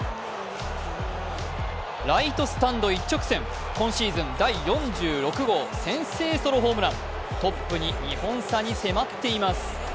ライトスタンド一直線、今シーズン第４６号先制ソロホームラン、トップに２本差に迫っています。